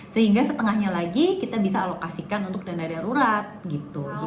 sehingga setengahnya lagi kita bisa alokasikan untuk dana darurat gitu